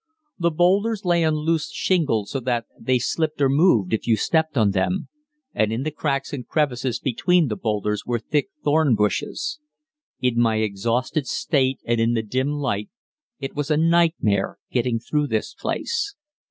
The boulders lay on loose shingle so that they slipped or moved if you stepped on them, and in the cracks and crevices between the boulders were thick thorn bushes. In my exhausted state and in the dim light, it was a nightmare getting through this place.